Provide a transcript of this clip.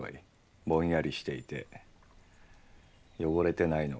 ぼんやりしていて汚れてないのが。